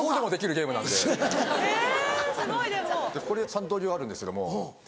三刀流あるんですけども。